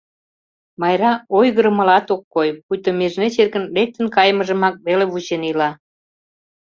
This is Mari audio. — Майра ойгырымылат ок кой, пуйто межнеч эргын лектын кайымыжымак веле вучен ила.